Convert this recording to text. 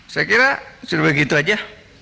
saya kira sudah begitu aja